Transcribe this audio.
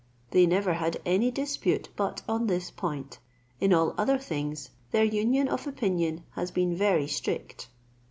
They never had any dispute but on this point; in all other things their union of opinion has been very strict.